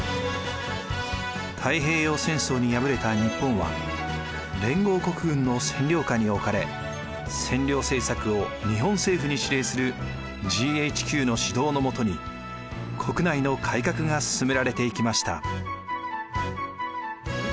太平洋戦争に敗れた日本は連合国軍の占領下に置かれ占領政策を日本政府に指令するＧＨＱの指導のもとに国内の改革が進められていきました。